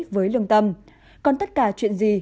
với lương tâm còn tất cả chuyện gì